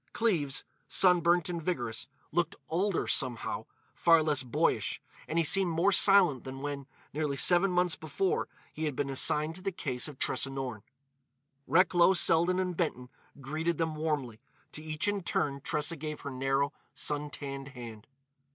Cleves, sunburnt and vigorous, looked older, somehow—far less boyish—and he seemed more silent than when, nearly seven months before, he had been assigned to the case of Tressa Norne. Recklow, Selden and Benton greeted them warmly; to each in turn Tressa gave her narrow, sun tanned hand.